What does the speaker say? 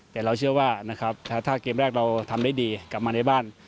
แต่เราเชื่อว่านะครับถ้าเกมแรกเราทำได้ดีกลับมาในบ้าน